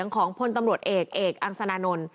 ของพลตำรวจเอกเอกอังสนานนท์